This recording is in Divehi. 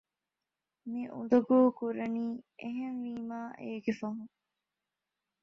މި އުނދަގޫކުރަނީ އެހެންވީމާ އޭގެ ފަހުން